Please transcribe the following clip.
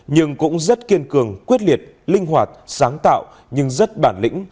nhưng cũng rất kiên cường quyết liệt linh hoạt sáng tạo nhưng rất bản lĩnh